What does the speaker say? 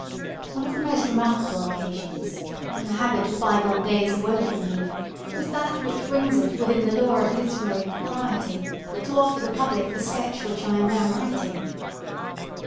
One of the most remarkable occasions, when the habit of bygone days awoke in me, was that which brings it within the law of literary propriety to offer the public the sketch which I am now writing.